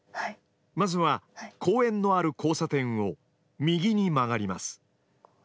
まずは公園のある交差点を右に曲がります。